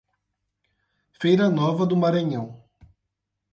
Feira Nova do Maranhão